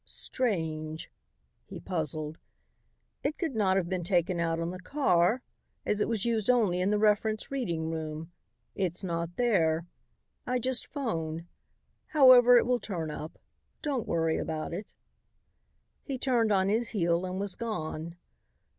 "Strange!" he puzzled. "It could not have been taken out on the car, as it was used only in the reference reading room. It's not there. I just phoned. However, it will turn up. Don't worry about it." He turned on his heel and was gone.